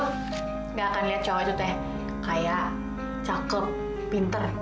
nggak akan lihat cowoknya kayak cakep pinter